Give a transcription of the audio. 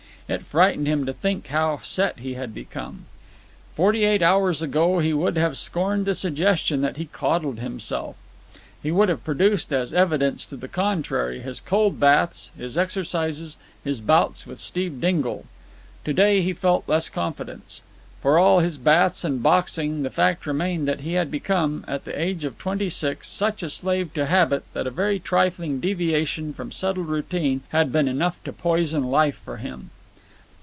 It frightened him to think how set he had become. Forty eight hours ago he would have scorned the suggestion that he coddled himself. He would have produced as evidence to the contrary his cold baths, his exercises, his bouts with Steve Dingle. To day he felt less confidence. For all his baths and boxing, the fact remained that he had become, at the age of twenty six, such a slave to habit that a very trifling deviation from settled routine had been enough to poison life for him.